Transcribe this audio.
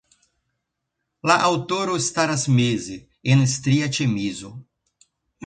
La aŭtoro staras meze, en stria ĉemizo.